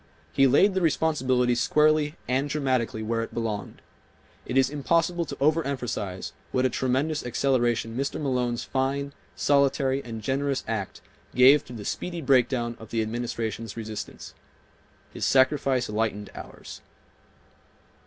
He laid the responsibility squarely and dramatically where it belonged. It is impossible to overemphasize what a tremendous acceleration Mr. Malone's fine, solitary and generous act gave to the speedy break down of the Administration's resistance. His sacrifice lightened ours.